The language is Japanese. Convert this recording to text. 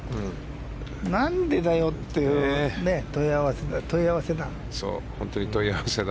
なんでだよ！という問い合わせだ。